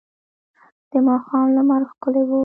د ماښام لمر ښکلی و.